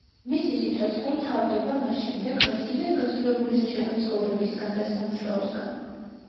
მისი სიცოცხლე მთავრდება მას შემდეგ, რაც იმედგაცრუებული რჩება ცხოვრებისგან და სამუშაოსგან.